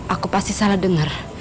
aku pasti salah dengar